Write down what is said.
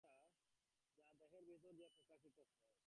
আত্মা সর্বদাই সেই চিরন্তন সত্তা, যাহা দেহের ভিতর দিয়া প্রকাশিত হয়।